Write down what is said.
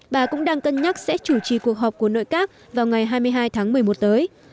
bà cũng đang cân nhắc sẽ chủ trì cuộc họp của nội các vào ngày hai mươi hai tháng một mươi một tới